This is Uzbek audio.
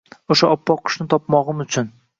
O’sha oppoq qushni topmog’im uchun…